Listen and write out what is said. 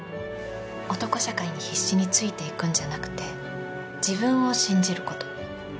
男社会に必死についていくんじゃなくて自分を信じる事。